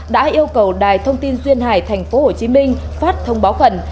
đã yêu cầu đài thông tin duyên hải tp hcm phát thông báo khẩn